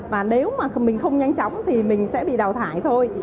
và nếu mà mình không nhanh chóng thì mình sẽ bị đào thải thôi